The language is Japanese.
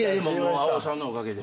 粟生さんのおかげで。